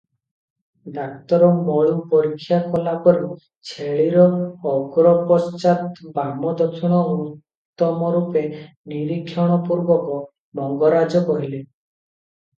"ଡାକ୍ତର ମଳୁ ପରୀକ୍ଷା କଲାପରି ଛେଳିର ଅଗ୍ର ପଶ୍ଚାତ ବାମ ଦକ୍ଷିଣ ଉତ୍ତମରୂପେ ନିରୀକ୍ଷଣପୁର୍ବକ ମଙ୍ଗରାଜ କହିଲେ।